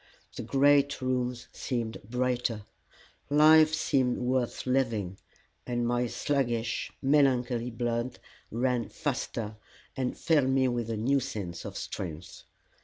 The great rooms seemed brighter, life seemed worth living; my sluggish, melancholy blood ran faster, and filled me with a new sense of strength.